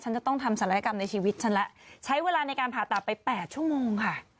ฉันจะต้องทำสารรายกรรมในชีวิตฉันละใช้เวลาในการผ่าตาไปแปดชั่วโมงค่ะ